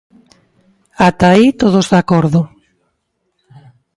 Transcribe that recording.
Ata aí todos de acordo.